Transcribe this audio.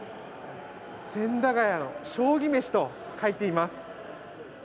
千駄ヶ谷の将棋めしと書いてあります。